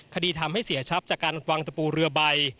คดีทำให้เสียชับจากการปฎาทะปูเรือใบ